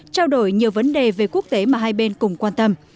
trao đổi nhiều vấn đề về quốc tế mà hai bên cùng quan tâm